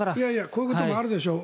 こういうこともあるでしょう。